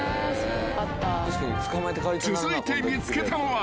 ［続いて見つけたのは］